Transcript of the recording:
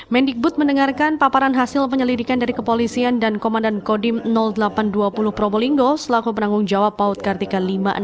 mendikbud mendengarkan paparan hasil penyelidikan dari kepolisian dan komandan kodim delapan ratus dua puluh probolinggo selaku penanggung jawab paut kartika lima ratus enam puluh